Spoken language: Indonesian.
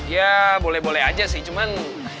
ya boleh boleh aja sih cuman